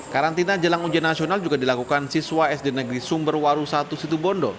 karantina jelang ujian nasional juga dilakukan siswa sd negeri sumberwaru satu situbondo